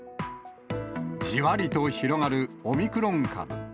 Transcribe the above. じわりと広がるオミクロン株。